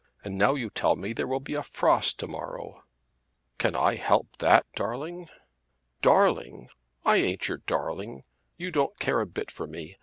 And now you tell me there will be a frost to morrow." "Can I help that, darling?" "Darling! I ain't your darling. You don't care a bit for me.